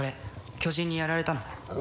巨人にやられたの？